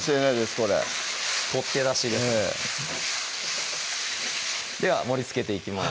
これ撮って出しでええでは盛りつけていきます